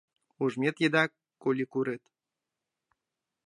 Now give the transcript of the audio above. Ужмет еда - коликурет.